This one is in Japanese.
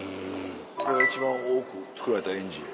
これが一番多く作られたエンジン。